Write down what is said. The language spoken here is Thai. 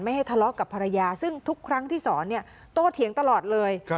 ให้ทะเลาะกับภรรยาซึ่งทุกครั้งที่สอนเนี่ยโตเถียงตลอดเลย